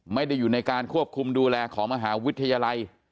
ไม่ได้อยู่ในการควบคุมดูแลของมหาวิทยาลัย